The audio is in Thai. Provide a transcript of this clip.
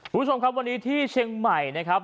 คุณผู้ชมครับวันนี้ที่เชียงใหม่นะครับ